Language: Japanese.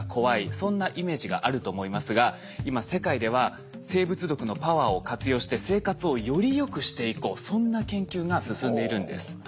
そんなイメージがあると思いますが今世界では生物毒のパワーを活用して生活をよりよくしていこうそんな研究が進んでいるんです。